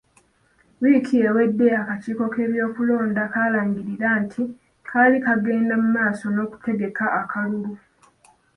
Wiiki ewedde akakiiko k'ebyokulonda kaalangirira nti kaali kagenda mu maaso n'okutegaka akalululu.